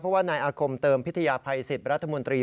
เพราะว่านายอาคมเติมพิทยาภัยสิทธิ์รัฐมนตรี